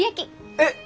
えっ？